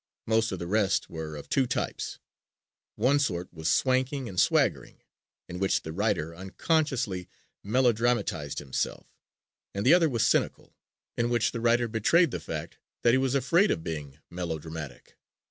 Most of the rest were of two types. One sort was swanking and swaggering, in which the writer unconsciously melodramatized himself, and the other was cynical, in which the writer betrayed the fact that he was afraid of being melodramatic.